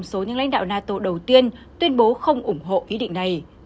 số những lãnh đạo nato đầu tiên tuyên bố không ủng hộ ý định này